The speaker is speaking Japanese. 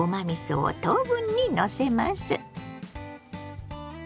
みそを等分にのせます。